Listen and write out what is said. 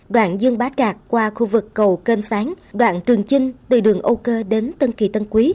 đoạn dương bá trạc qua khu vực cầu kênh sáng đoạn trường chinh từ đường âu cơ đến tân kỳ tân quý